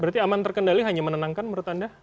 berarti aman terkendali hanya menenangkan menurut anda